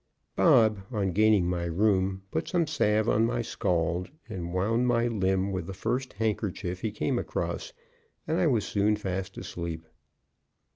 Bob, on gaining my room, put some salve on my scald, and wound my limb with the first handkerchief he came across, and I was soon fast asleep.